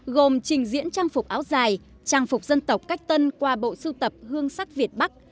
gồm trình diễn trang phục áo dài trang phục dân tộc cách tân qua bộ sưu tập hương sắc việt bắc